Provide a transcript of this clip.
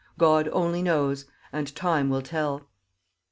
God only knows, and time will tell.